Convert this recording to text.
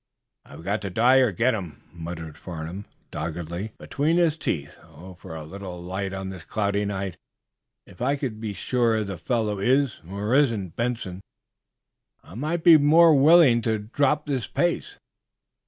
"I've got to die or get him!" muttered Farnum, doggedly, between his teeth. "Oh, for a little light on this cloudy night! If I could be sure the fellow is, or isn't, Benson, I might be more willing to drop this pace!"